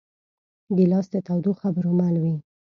ګیلاس د تودو خبرو مل وي.